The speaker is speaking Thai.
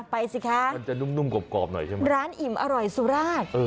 ไปสิคะมันจะนุ่มกรอบหน่อยใช่ไหมร้านอิ่มอร่อยสุราช